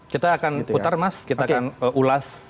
kita akan putar mas kita akan ulas